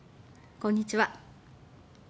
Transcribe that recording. こんにちは。